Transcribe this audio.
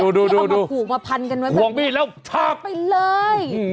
ที่เอามาผูกมาพันกันไว้ปลากไปเลย